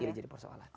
tidak jadi persoalan